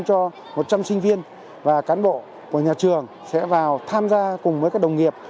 cho một trăm linh sinh viên và cán bộ của nhà trường sẽ vào tham gia cùng với các đồng nghiệp